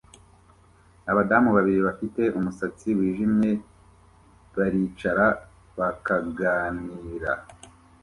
Abadamu babiri bafite umusatsi wijimye baricara bakaganira